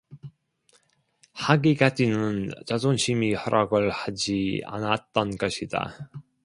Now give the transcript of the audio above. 하기까지는 자존심이 허락을 하지 않았던 것이다.